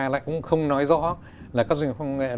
lại cũng không nói rõ là các doanh nghiệp quốc công nghệ